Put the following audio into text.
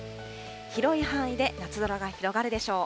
広い範囲で夏空が広がるでしょう。